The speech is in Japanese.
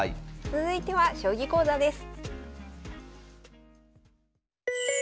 続いては「将棋講座」です。